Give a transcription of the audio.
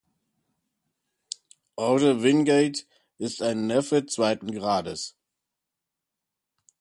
Orde Wingate ist ein Neffe zweiten Grades.